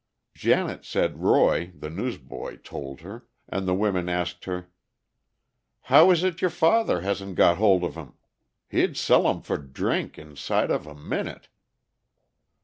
Janet said Roy, the newsboy, told her; and the women asked her, "How is it your father hasn't got hold of 'em? He'd sell 'em for drink inside of a minute."